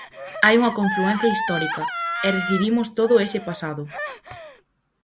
Hai unha confluencia histórica, e recibimos todo ese pasado.